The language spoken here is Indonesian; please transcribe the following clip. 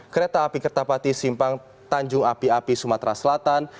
kereta api kertapati simpang tanjung api api sumatera selatan